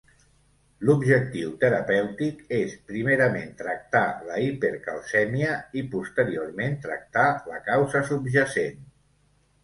L'objectiu terapèutic és primerament tractar la hipercalcèmia i posteriorment tractar la causa subjacent.